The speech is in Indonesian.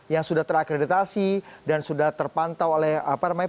yang sudah terakreditasi dan sudah terpantau oleh apa namanya